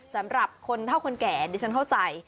สำหรับคนเท่าคนแก่ดิฉันเข้าใจ